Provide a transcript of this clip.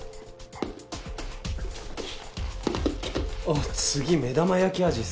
あっ次目玉焼き味っすか。